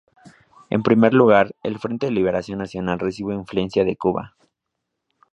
En primer lugar, el Frente de Liberación Nacional recibe influencia de Cuba.